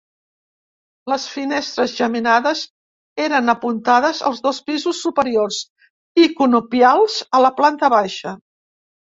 Les finestres, geminades, eren apuntades als dos pisos superiors i conopials a la planta baixa.